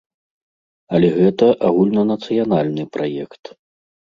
Але гэта агульнанацыянальны праект.